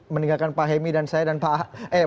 meninggalkan pak hemi dan saya dan pak eh